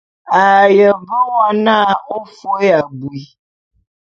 A ye ve wo n'a ô fôé abui.